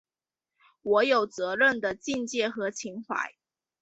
我有责任的境界和情怀